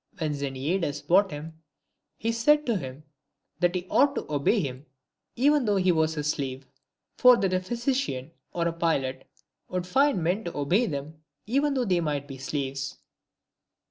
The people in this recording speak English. When Xeniades bought him, he said to him that he ought to obey him even though he was his slave ; for that a physician or a pilot would find men to obey them even though they might be slaves.